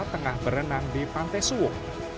tengah berenang di pantai suwuk